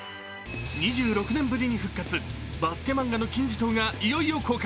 ２６年ぶりに復活バスケ漫画の金字塔がいよいよ公開。